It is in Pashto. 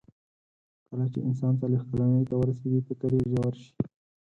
کله چې انسان څلوېښت کلنۍ ته ورسیږي، فکر یې ژور شي.